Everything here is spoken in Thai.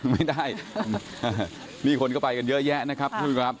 ไม่ได้มีคนก็ไปกันเยอะแยะนะครับ